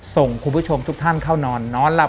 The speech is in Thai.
ส่งคุณผู้ชมทุกท่านเข้านอนนอนหลับ